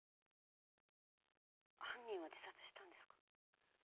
犯人は自殺したんですか？